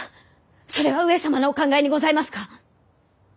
それは上様のお考えにございますか！？